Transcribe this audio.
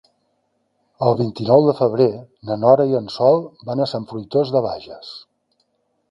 El vint-i-nou de febrer na Nora i en Sol van a Sant Fruitós de Bages.